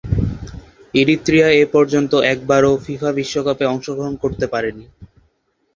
Eritrea এপর্যন্ত একবারও FIFA বিশ্বকাপে অংশগ্রহণ করতে পারেনি।